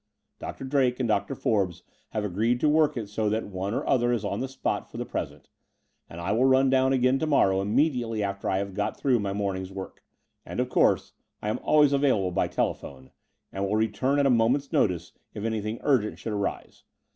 Dr. Drake and Dr. Forbes have agreed to work it so that one or other is on the spot for the present, and I will run down again to morrow immediately after I have got through my morning's work; and, of course, I am always available by telephone, and will return at a moment's notice if anything urgent should arise.